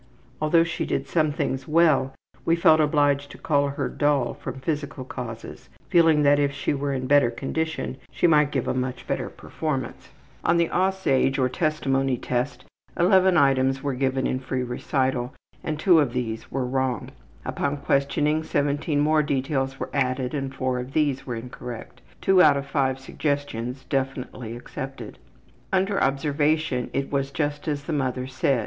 Although she did some things well we felt obliged to call her dull from physical causes, feeling that if she were in better condition she might give a much better performance. On the ``Aussage,'' or Testimony Test, 11 items were given on free recital and 2 of these were wrong. Upon questioning, 17 more details were added and 4 of these were incorrect. 2 out of 5 suggestions definitely accepted. Under observation it was just as the mother said.